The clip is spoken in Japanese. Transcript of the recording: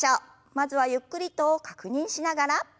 まずはゆっくりと確認しながら。